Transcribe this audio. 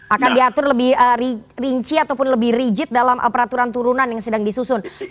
akan diatur lebih rinci ataupun lebih rigid dalam peraturan turunan yang sedang disusun